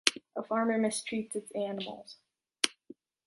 A farmer mistreats its animals.